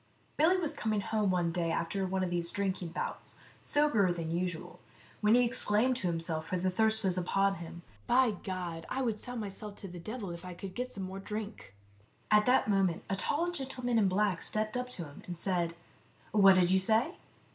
Billy was coming home one day after one of these drinking bouts, soberer than usual, when he exclaimed to himself, for the thirst was upon him, " By God ! I would sell myself to the devil if I could get some more drink." At that moment a tall gentleman in black stepped up to him, and said, " What did you say